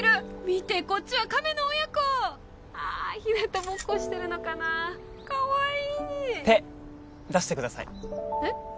見てこっちはカメの親子あひなたぼっこしてるのかなかわいい手出してくださいえっ？